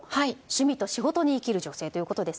趣味と仕事に生きる女性。